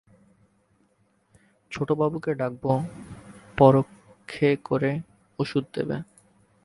ছোটবাবুকে ডাকব পরক্ষে করে ওষুধ দেবে?